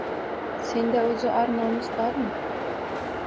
Senda oʻzi or-nomus bormi